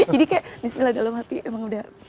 jadi kayak bismillah dalam hati emang udah